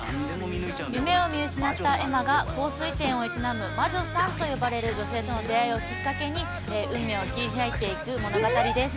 見失った恵麻が香水店を営む魔女さんと呼ばれる女性との出会いをきっかけに運命を切り開いていく物語です。